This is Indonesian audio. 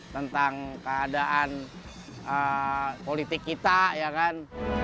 tentang keadaan politik kita ya kan